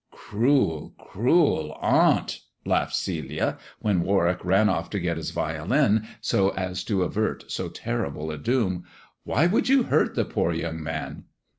"Cruel, cruel aunt," laughed Celia, when Warwick ran off to get his violin, so as to avert so terrible a doom. "Why would you hurt the poor young man?"